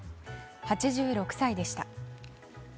８６歳でした。